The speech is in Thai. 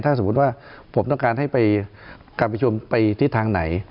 ถ้าสมมุติว่าผมต้องการให้ไปการประชุมไปทิศทางไหน